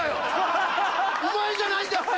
お前じゃないんだって！